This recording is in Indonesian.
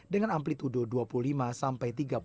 dengan amplitude dua puluh lima sampai tiga puluh